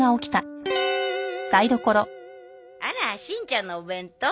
あらしんちゃんのお弁当？